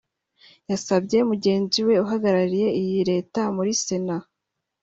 yasabye mugenzi we uhagarariye iyi leta muri Sena